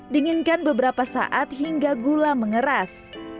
dinginkan beberapa saat hingga gula mengeras